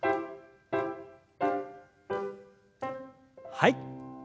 はい。